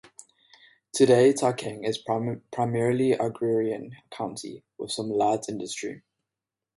Today, Taikang is a primarily agrarian county, with some light industry.